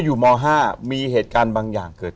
ถูกต้องไหมครับถูกต้องไหมครับ